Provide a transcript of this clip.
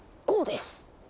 こうです。